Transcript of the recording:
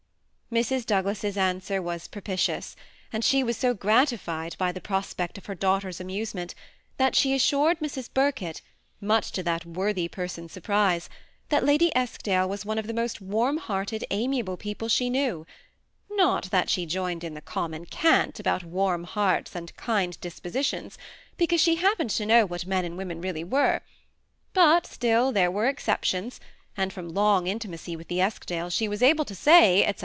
Mrs. Douglas's answer was propitious ; and she was e6 gratified by the prospect of her daughter's amftse* ment, that she assured Mrs* Birkett, much to thai MTorthy person's surprise^ that Lady Eskdale was one of the most warmrhearted, amiable people she knew ; ndt that she joined in the common cant about warm hearts and kind dispositions, because she happened to know what men and women really were ; but still there were exceptions, and from long intimacy with the E^dales^ she was able to say, &&, &e.